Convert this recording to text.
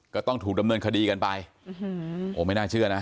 ก็ต้องถูกดำเนินคดีกันไป